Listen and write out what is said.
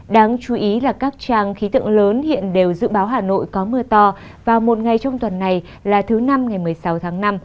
đáng chú ý là các trang khí tượng lớn hiện đều dự báo hà nội có mưa to vào một ngày trong tuần này là thứ năm ngày một mươi sáu tháng năm